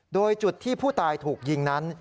โดยจุดที่ผู้ตายถูกยิงนั้น